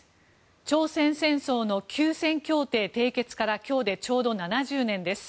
朝鮮戦争の休戦協定締結から今日でちょうど７０年です。